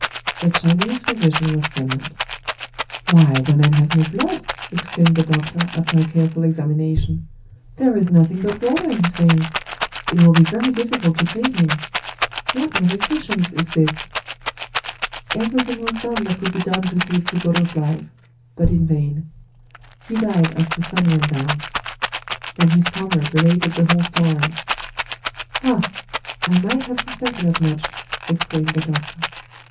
A Chinese physician was summoned. " Why, the man has no blood !" exclaimed the doctor, after a careful examination ;—" there is nothing but water in his veins! It will be very difficult to save him. ... What malefi cence is this ?" Everything was done that could be done to save Chugoro's life — but in vain. He died as Digitized by Googk THE STORY OF CHUGORO 8i the sun went down. Then his comrade related the whole story. " Ah ! I might have suspected as much !" ex claimed the doctor.